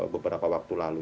beberapa waktu lalu